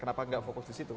kenapa tidak fokus di situ